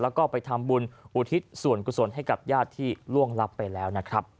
แล้วก็ไปทำบุญอุทิศส่วนกุศลให้กับญาติที่ล่วงลับไปแล้วนะครับ